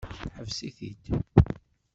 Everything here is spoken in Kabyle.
Ḥbes-it-id!